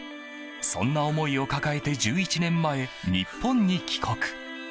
そんな思いを抱えて１１年前、日本に帰国。